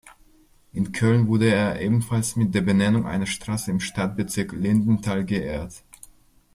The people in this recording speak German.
In Köln wurde er ebenfalls mit der Benennung einer Straße im Stadtbezirk Lindenthal geehrt.